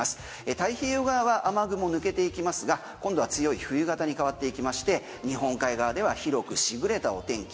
太平洋側は雨雲抜けていきますが今度は強い冬型に変わっていきまして日本海側では広くしぐれたお天気。